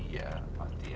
ya pasti ada